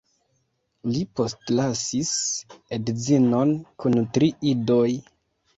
Li postlasis edzinon kun tri idoj.